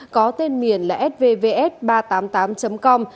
có tên miền là svvs ba trăm tám mươi tám com